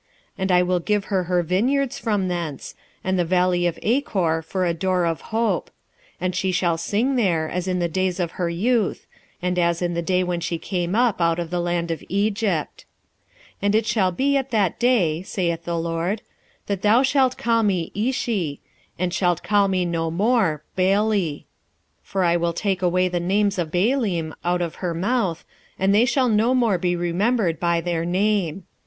2:15 And I will give her her vineyards from thence, and the valley of Achor for a door of hope: and she shall sing there, as in the days of her youth, and as in the day when she came up out of the land of Egypt. 2:16 And it shall be at that day, saith the LORD, that thou shalt call me Ishi; and shalt call me no more Baali. 2:17 For I will take away the names of Baalim out of her mouth, and they shall no more be remembered by their name.